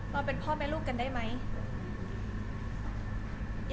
เราเป็นพ่อแม่ลูกกันได้ไหม